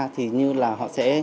thì như là họ sẽ